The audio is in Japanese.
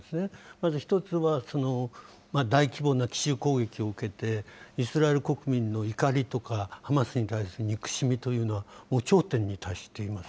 まず１つは、大規模な奇襲攻撃を受けて、イスラエル国民の怒りとか、ハマスに対する憎しみというのは頂点に達しています。